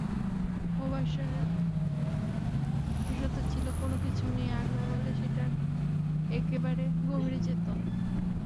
মোবাশ্বেরের বিশেষত্ব ছিল, কোনো কিছু নিয়ে আগ্রহ হলে সেটার একেবারে গভীরে যেত।